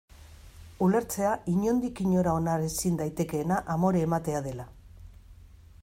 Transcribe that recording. Ulertzea inondik inora onar ezin daitekeena amore ematea dela.